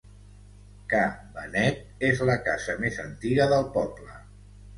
Ca Benet és la casa més antiga del poble.